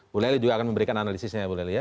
bu leli juga akan memberikan analisisnya ya bu leli ya